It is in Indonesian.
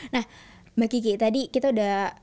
nah mbak kiki tadi kita udah